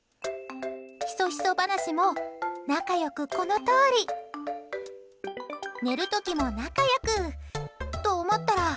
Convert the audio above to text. ひそひそ話も仲良く、このとおり。寝る時も仲良くと、思ったら。